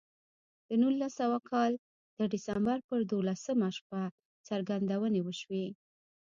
د نولس سوه کال د ډسمبر پر دولسمه شپه څرګندونې وشوې